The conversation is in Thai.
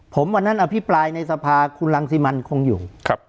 ผมวันนั้นอภิปรายในสภาคุณรังสิมันคงอยู่